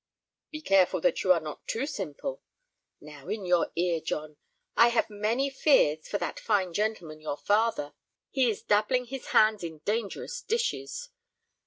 "Be careful that you are not too simple. Now, in your ear, John, I have many fears for that fine gentleman, your father. He is dabbling his hands in dangerous dishes.